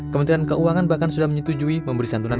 kementerian keuangan bahkan sudah menyetujui memberi santunan